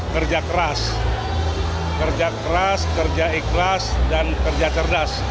kerja keras kerja ikhlas dan kerja cerdas